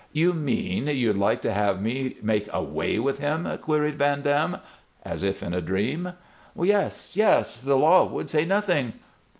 "You mean you'd like to have me make away with him?" queried Van Dam, as if in a dream. "Yes, yes! The law would say nothing."